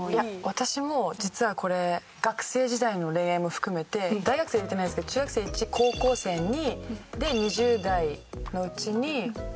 私も実はこれ学生時代の恋愛も含めて大学生入れてないですけど中学生１高校生２。で２０代のうちにまあ３人ぐらいか。